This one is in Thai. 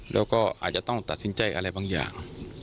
แล้วก็อาจจะต้องตัดสินใจอะไรบางอย่าง